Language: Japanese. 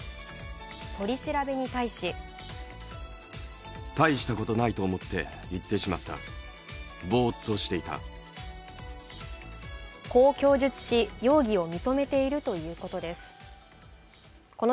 取り調べに対しこう供述し容疑を認めているということです。